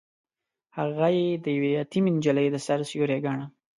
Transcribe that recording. هغه يې د يوې يتيمې نجلۍ د سر سيوری ګاڼه.